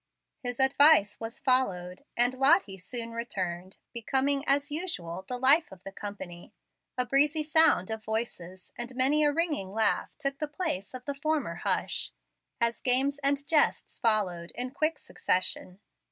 His advice was followed, and Lottie soon returned, becoming, as usual, the life of the company. A breezy sound of voices and many a ringing laugh took the place of the former hush, as games and jests followed in quick succession.